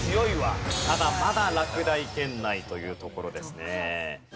ただまだ落第圏内というところですね。